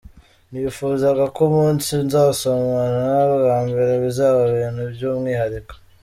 Nifuzaga ko umunsi nzasomana bwa mbere bizaba ibintu by’umwihariko.